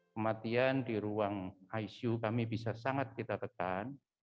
kematian di ruang icu kami bisa sangat kita tekan